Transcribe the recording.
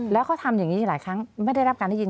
แล้วเขาทำอย่างนี้หลายครั้งไม่ได้รับการได้ยิน